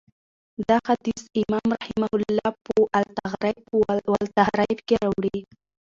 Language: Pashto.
دا حديث امام منذري رحمه الله په الترغيب والترهيب کي راوړی .